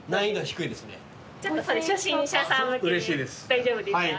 大丈夫ですか。